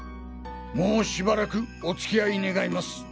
もうしばらくお付き合い願います。